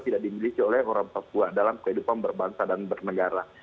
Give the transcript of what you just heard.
tidak dimiliki oleh orang papua dalam kehidupan berbangsa dan bernegara